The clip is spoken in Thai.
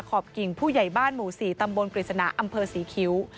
ขอบกิ่งผู้ใหญ่บ้านหมู่๔ตำบลกฤษณะอำเภอศรีคิ้ว